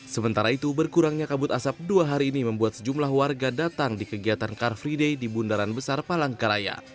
sementara itu berkurangnya kabut asap dua hari ini membuat sejumlah warga datang di kegiatan car free day di bundaran besar palangkaraya